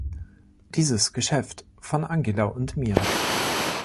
Dieses Geschäft von Angela und mir.